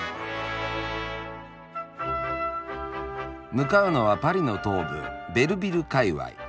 向かうのはパリの東部ベルヴィル界わい。